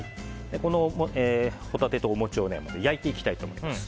このホタテとお餅を焼いていきたいと思います。